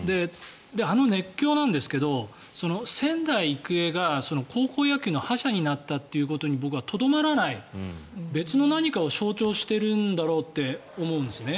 あの熱狂なんですが仙台育英が高校野球の覇者になったということに僕はとどまらない別の何かを象徴してるんだろうって思うんですね。